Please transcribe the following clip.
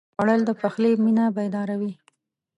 خوړل د پخلي مېنه بیداروي